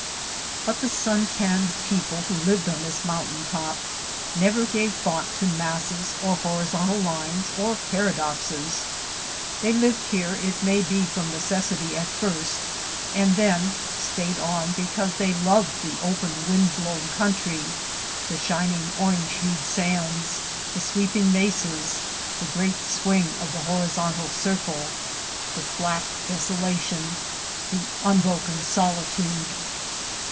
But the sun tanned people who lived on this mountain top never gave thought to masses, or horizontal lines, or paradoxes. They lived here, it may be from necessity at first, and then stayed on because they loved the open wind blown country, the shining orange hued sands, the sweeping mesas, the great swing of the horizontal circle, the flat desolation, the un broken solitude.